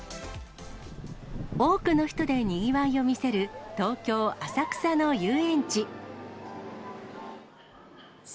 多くの人でにぎわいを見せる、東京・浅草の遊園地。